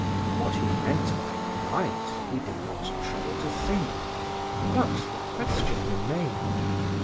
What he meant by "right" he did not trouble to think, but the question remained.